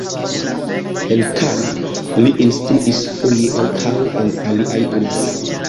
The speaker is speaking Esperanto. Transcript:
En Cannes li instruis, foje ankaŭ en aliaj urboj.